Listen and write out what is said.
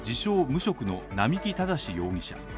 無職の並木正容疑者。